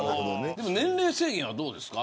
年齢制限はどうですか。